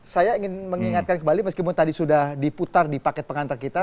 saya ingin mengingatkan kembali meskipun tadi sudah diputar di paket pengantar kita